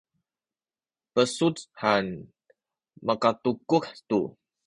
besuc han makatukuh tu